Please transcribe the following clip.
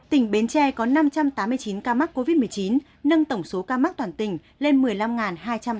tỉnh bến tre có năm trăm tám mươi chín ca mắc covid một mươi chín nâng tổng số ca mắc toàn tỉnh lên một mươi năm hai trăm ba mươi ca